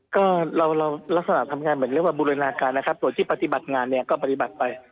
ก็เราลักษณะทำงานเหมือนเรียกว่าบูรณาการนะครับส่วนที่ปฏิบัติงานเนี่ยก็ปฏิบัติไป